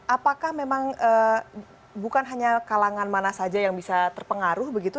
apakah memang bukan hanya kalangan mana saja yang bisa terpengaruh begitu